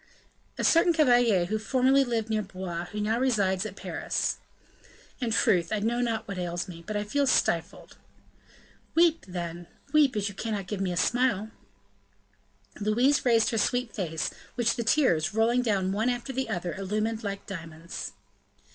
"A certain cavalier who formerly lived near Blois, and who now resides at Paris." "In truth, I know not what ails me, but I feel stifled." "Weep, then, weep, as you cannot give me a smile!" Louise raised her sweet face, which the tears, rolling down one after the other, illumined like diamonds.